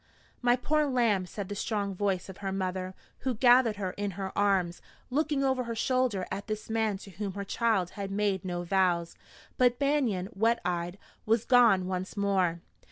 "My poor lamb!" said the strong voice of her mother, who gathered her in her arms, looking over her shoulder at this man to whom her child had made no vows. But Banion, wet eyed, was gone once more.